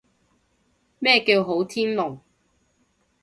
咩叫好天龍？